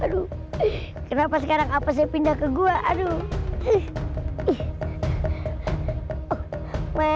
aduh kenapa sekarang apesnya pindah ke gue aduh hii hii